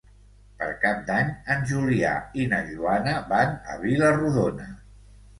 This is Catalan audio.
Per Cap d'Any en Julià i na Joana van a Vila-rodona.